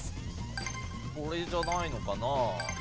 これじゃないのかな？